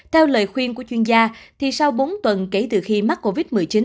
theo lời khuyên của chuyên gia sau bốn tuần kể từ khi mắc covid một mươi chín